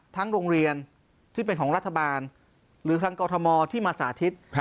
โรงเรียนที่เป็นของรัฐบาลหรือทางกรทมที่มาสาธิต